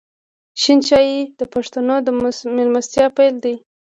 شین چای د پښتنو د میلمستیا پیل دی.